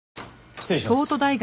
失礼します。